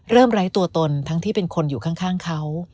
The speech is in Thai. ไร้ตัวตนทั้งที่เป็นคนอยู่ข้างเขา